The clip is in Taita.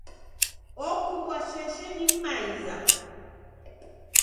Okumbwa sheshe ni m'maiza.